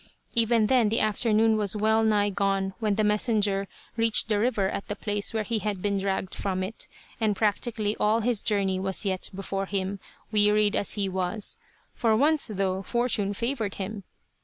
Even then the afternoon was well nigh gone when the messenger reached the river at the place where he had been dragged from it; and practically all his journey was yet before him, wearied as he was. For once, though, fortune favored him.